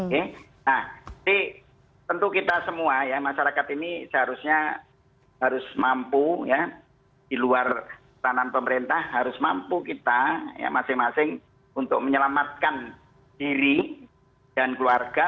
jadi tentu kita semua ya masyarakat ini seharusnya harus mampu ya di luar tanam pemerintah harus mampu kita ya masing masing untuk menyelamatkan diri dan keluarga